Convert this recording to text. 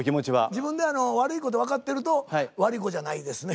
自分で悪い子って分かってると悪い子じゃないですね。